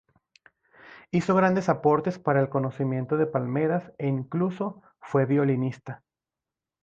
Hizo grandes aportes para el conocimiento de palmeras e incluso fue violinista.